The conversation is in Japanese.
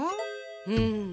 うん。